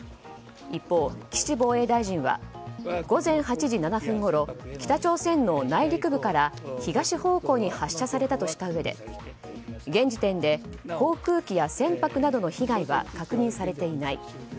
一方、岸防衛大臣は午前８時７分ごろ北朝鮮の内陸部から東方向に発射されたとしたうえで現時点で航空機や船舶などの被害は確認されていない。